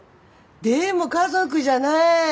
でも家族じゃない。